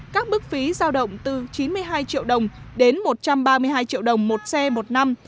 các bức phí giao động từ chín mươi hai triệu đồng đến một trăm ba mươi hai triệu đồng một xe một năm